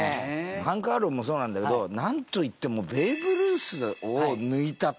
ハンク・アーロンもそうなんだけどなんといってもベーブ・ルースを抜いた時。